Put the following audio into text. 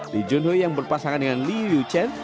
lee jun hui yang berpasangan dengan lee yu chen